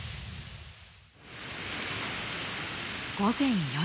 午前４時。